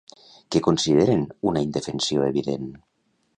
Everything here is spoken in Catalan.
Què consideren una indefensió evident?